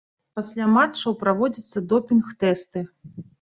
Пасля матчаў праводзяцца допінг-тэсты.